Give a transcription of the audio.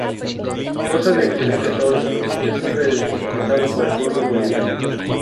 Goza de excelente estado de salud, es muy respetado por el pueblo Boliviano.